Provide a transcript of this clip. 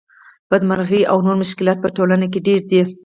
بدمرغۍ او نور مشکلات په ټولنه کې ډېر دي